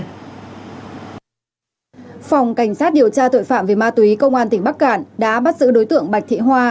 phòng cảnh sát điều tra tội phạm về ma túy công an tỉnh bắc cạn đã bắt giữ đối tượng bạch thị hoa